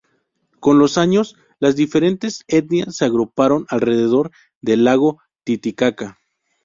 Con los años, las diferentes etnias se agruparon alrededor del lago Titicaca.